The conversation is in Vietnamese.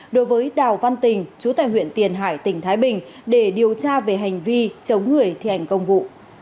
đối với đào văn tình chú tài huyện tiền hải tỉnh thái bình để điều tra về hành vi chống người thi hành công vụ